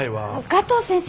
加藤先生